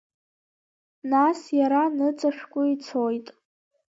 Нас иара ныҵашәкәа ицоит.